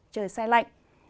trời say lạnh